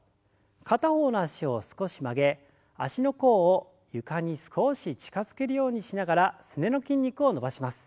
片方の脚を少し曲げ足の甲を床に少し近づけるようにしながらすねの筋肉を伸ばします。